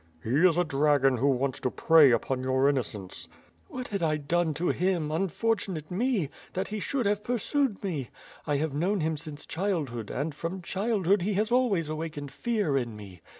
"He is a dragon who wants to prey upon your innocence." "W^hat had 1 done to him, unfortunate me, that he should have pursued me. I have known him since childhood and from childhood he has always awakened fear in me.